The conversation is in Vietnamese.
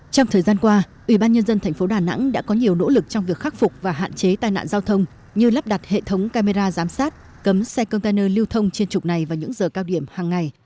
trong thời gian qua ủy ban nhân dân thành phố đà nẵng đã có nhiều nỗ lực trong việc khắc phục và hạn chế tai nạn giao thông như lắp đặt hệ thống camera giám sát cấm xe container lưu thông trên trục này vào những giờ cao điểm hàng ngày